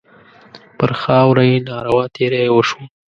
پر خاوره یې ناروا تېری وشو.